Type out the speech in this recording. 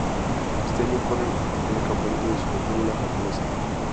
Este año corre en el Campeonato de Super Fórmula Japonesa.